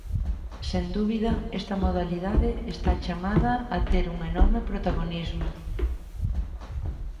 Sen dúbida, esta modalidade está chamada a ter un enorme protagonismo.